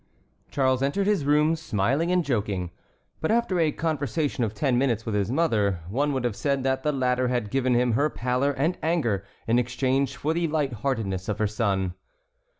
Charles entered his room, smiling and joking. But after a conversation of ten minutes with his mother, one would have said that the latter had given him her pallor and anger in exchange for the light heartedness of her son.